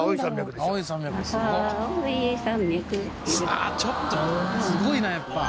ああちょっとすごいなやっぱ。